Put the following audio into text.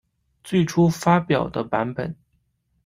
最初发表的版本。